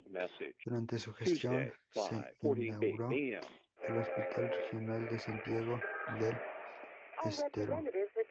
Durante su gestión se inauguró el Hospital Regional de Santiago del Estero.